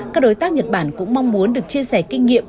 các đối tác nhật bản cũng mong muốn được chia sẻ kinh nghiệm